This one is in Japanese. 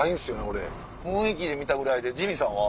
俺雰囲気で見たぐらいでジミーさんは？